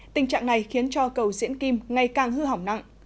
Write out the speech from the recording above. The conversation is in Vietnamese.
tình trạng này khiến cho cầu diễn kim ngày càng hư hỏng nặng